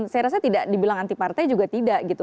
saya rasa tidak dibilang anti partai juga tidak gitu